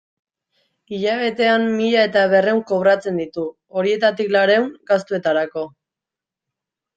Hilabetean mila eta berrehun kobratzen ditu, horietatik laurehun gastuetarako.